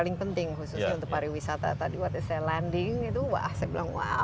dan ini bagus ya untuk pertumbuhan umkm dan mereka juga bisa menggerakkan itu juga ya